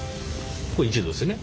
これ１度ですよね。